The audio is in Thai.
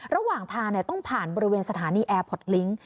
ระหว่างทางต้องผ่านบริเวณสถานีแอร์พอร์ตลิงค์